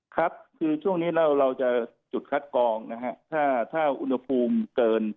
ครับคือช่วงนี้เราจะจุดคัดกองนะฮะถ้าอุณหภูมิเกิน